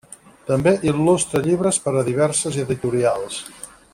També il·lustra llibres per a diverses editorials.